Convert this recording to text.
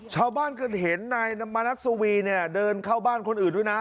ชาวบ้านก็เห็นนายมนัสวีเนี่ยเดินเข้าบ้านคนอื่นด้วยนะ